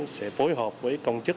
sẽ phối hợp với công chức